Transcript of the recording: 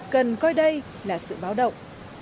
cần coi đây là sự báo động